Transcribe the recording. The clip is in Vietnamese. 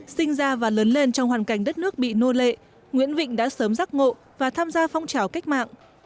sinh ra và lớn lên trong hoàn cảnh đất nước bị nô lệ nguyễn vịnh đã sớm giác ngộ và tham gia phong trào cách mạng